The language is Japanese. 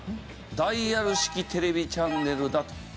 ダイヤル式テレビチャンネルだと。